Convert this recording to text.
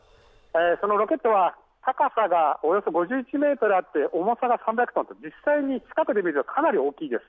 そのロケットは高さがおよそ５１ｍあって、重さが３００トンと実際に近くで見ると、かなり大きいです。